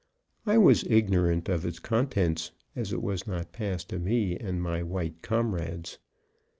I was ignorant of its contents, as it was not passed to me and my white comrades.